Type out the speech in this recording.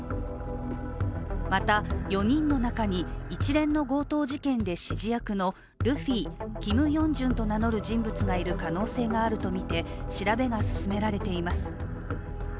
また、４人の中に一連の強盗事件で指示役のルフィ、ＫｉｍＹｏｕｎｇ−ｊｕｎと名乗る人物がいる可能性があるとみて調べが進められています。